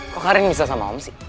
kok karin bisa sama om sih